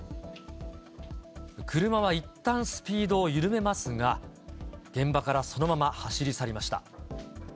車はいったんスピードを緩めますが、現場からそのまま走り去りました。